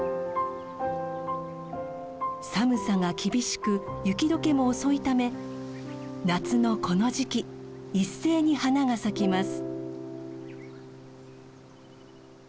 寒さが厳しく雪解けも遅いため夏のこの時期一斉に花が咲きます。